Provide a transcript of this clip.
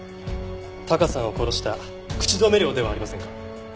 タカさんを殺した口止め料ではありませんか？